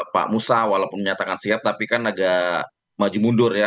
pak musa walaupun menyatakan siap tapi kan agak maju mundur ya